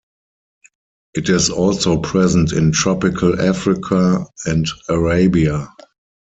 It is also present in tropical Africa and Arabia.